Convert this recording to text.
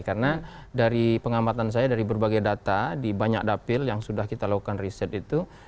karena dari pengamatan saya dari berbagai data di banyak dapil yang sudah kita lakukan riset itu